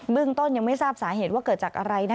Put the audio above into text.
ต้นยังไม่ทราบสาเหตุว่าเกิดจากอะไร